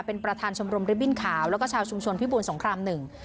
เป็นประธานชมรมริบบิ้นขาวแล้วก็ชาวชุมชนพิบูรสงครามหนึ่ง